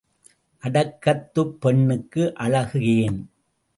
அடக்கத்துப் பெண்ணுக்கு அழகு ஏன்?